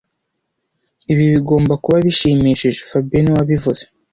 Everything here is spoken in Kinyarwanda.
Ibi bigomba kuba bishimishije fabien niwe wabivuze